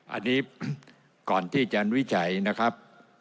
อันนี้ก่อนที่จะวิจัยนะครับ